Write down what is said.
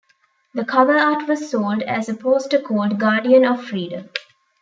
The cover art was sold as a poster called Guardian of Freedom.